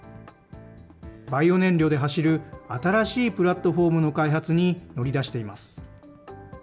バイオ燃料で走る新しいプラットフォームの開発に乗り出しています。